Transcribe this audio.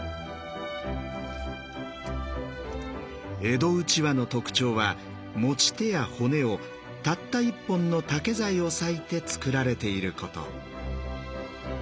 江戸うちわの特徴は持ち手や骨をたった１本の竹材を裂いて作られていること。